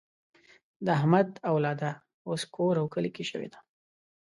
د احمد اولاده اوس کور او کلی شوې ده.